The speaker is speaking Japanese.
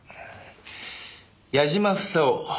矢嶋房夫。